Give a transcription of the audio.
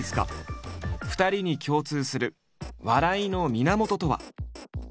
２人に共通する笑いの源とは？